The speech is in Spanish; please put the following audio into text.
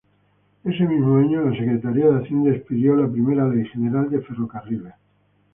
Ese mismo año la Secretaría de Hacienda expidió la primera Ley General de Ferrocarriles.